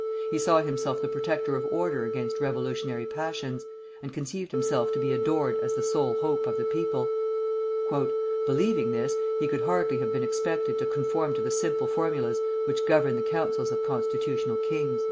He saw himself the protector of order against revolutionary passions, and conceived himself to be adored as the sole hope of the people. "Believing this, he could hardly have been expected to conform to the simple formulas which govern the councils of constitutional kings."